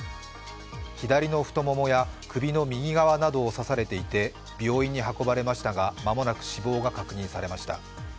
左の太ももや首の右側などが刺されていて病院に運ばれましたが間もなく死亡が確認されました。